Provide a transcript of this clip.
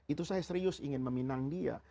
itu saya serius ingin meminang dia